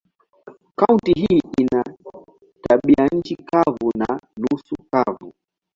Kaunti hii ina tabianchi kavu na nusu kavu.